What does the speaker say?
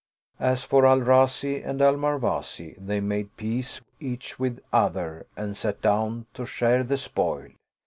As for Al Razi and Al Marwazi, they made peace each with other and sat down to share the spoil.